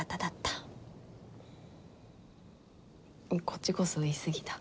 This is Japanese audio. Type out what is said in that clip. こっちこそ言いすぎた。